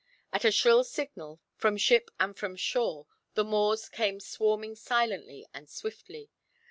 At a shrill signal, from ship and from shore, the Moors came swarming silently and swiftly.